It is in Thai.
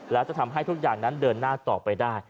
แล้วจะทำให้ทุกอย่างนั้นเดินหน้าต่อไปได้